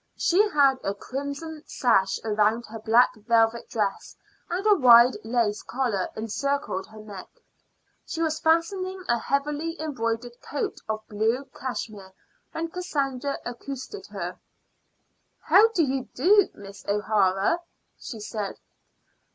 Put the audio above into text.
She had a crimson sash round her black velvet dress, and a wide lace collar encircled her neck. She was fastening a heavily embroidered coat of blue cashmere when Cassandra accosted her. "How do you do, Miss O'Hara?" she said.